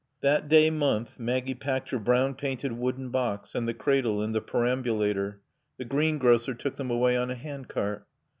That day month Maggie packed her brown painted wooden box and the cradle and the perambulator. The greengrocer took them away on a handcart.